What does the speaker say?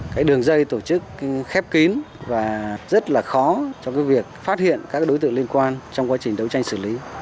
cái đường dây tổ chức khép kín và rất là khó trong cái việc phát hiện các đối tượng liên quan trong quá trình đấu tranh xử lý